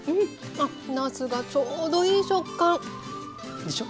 あなすがちょうどいい食感。でしょ。